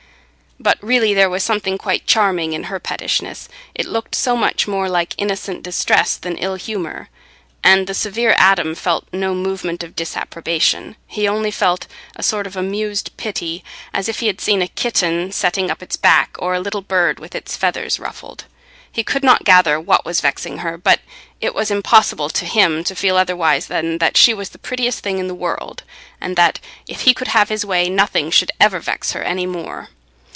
But really there was something quite charming in her pettishness: it looked so much more like innocent distress than ill humour; and the severe Adam felt no movement of disapprobation; he only felt a sort of amused pity, as if he had seen a kitten setting up its back, or a little bird with its feathers ruffled. He could not gather what was vexing her, but it was impossible to him to feel otherwise than that she was the prettiest thing in the world, and that if he could have his way, nothing should ever vex her any more.